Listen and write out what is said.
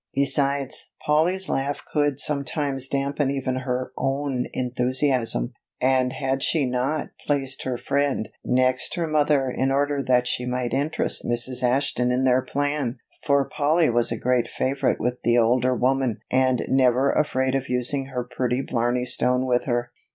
Besides, Polly's laugh could sometimes dampen even her own enthusiasm! And had she not placed her friend next her mother in order that she might interest Mrs. Ashton in their plan, for Polly was a great favorite with the older woman and never afraid of using her pretty blarney stone with her.